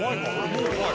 もう怖い。